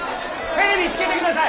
テレビつけてください！